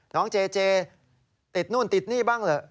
น้องเจเจติดนู่นติดนี่บ้างเหรอ